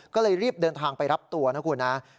ก็เลยรีบเดินทางไปรับตัวนะคุณนะ